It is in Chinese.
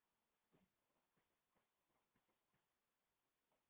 任内其推行的政策直接导致四川大量民众的死亡。